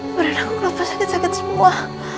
badan aku kelapa sakit sakit semua